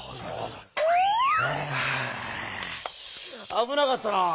あぶなかったなぁ。